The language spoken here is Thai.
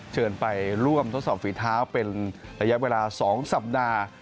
เชิญไปร่วมทดสอบฝีเท้าเป็นระยะเวลา๒สัปดาห์